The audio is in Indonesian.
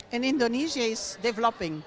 di indonesia saya berkembang